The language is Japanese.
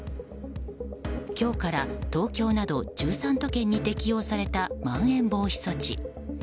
今日から東京など１３都県に適用された、まん延防止措置。